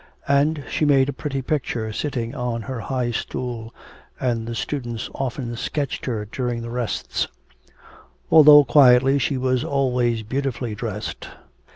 And she made a pretty picture sitting on her high stool, and the students often sketched her during the rests. Although quietly, she was always beautifully dressed.